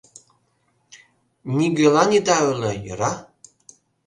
Нигӧлан ида ойло, йӧра.